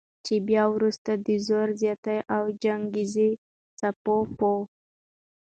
چې بیا وروسته د زور زیاتی او چنګیزي څپاو په